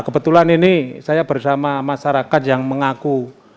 kebetulan ini saya bersama masyarakat yang mengaku